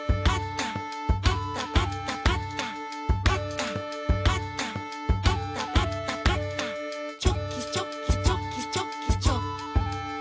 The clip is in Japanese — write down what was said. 「パタパタパタパタパタ」「チョキチョキチョキチョキチョキ」